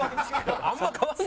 あんま変わんない。